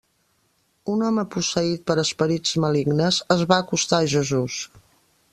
Un home posseït per esperits malignes es va acostar a Jesús.